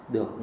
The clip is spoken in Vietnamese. được tìm kiếm